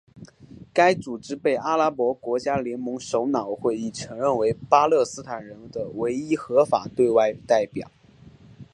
该组织被阿拉伯国家联盟首脑会议承认为巴勒斯坦人的唯一合法对外代表。